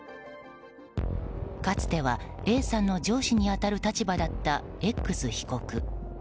かつてはＡさんの上司に当たる立場だったＸ被告。